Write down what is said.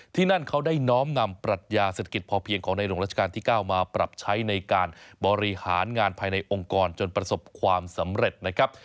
ที่นั่นเขาได้น้อมนำปรัชญาเศรษฐกิจพอเพียงของในหลวงราชการที่๙มาปรับใช้ในการบริหารงานภายในองค์กรจนประสบความสำเร็จนะครับ